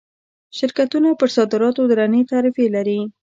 شرکتونه پر صادراتو درنې تعرفې لري.